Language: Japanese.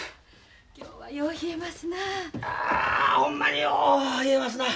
今日はよう冷えますなあ。